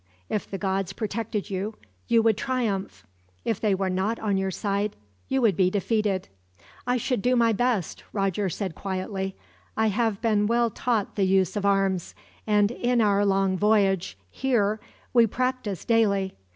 If the gods protected you, you would triumph. If they were not on your side, you would be defeated." "I should do my best," Roger said quietly. "I have been well taught the use of arms, and in our long voyage here we practiced daily.